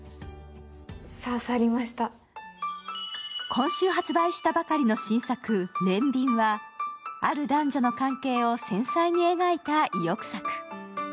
今週発売したばかりの新作「憐憫」はある男女の関係を繊細に描いた意欲作。